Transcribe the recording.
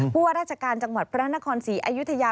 ว่าราชการจังหวัดพระนครศรีอยุธยา